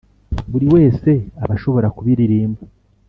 buri wese aba ashobora kubiririmba.